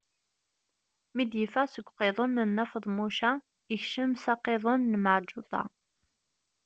Mi d-iffeɣ seg uqiḍun n Nna Feḍmuca, ikcem s aqiḍun n Meɛǧuṭa.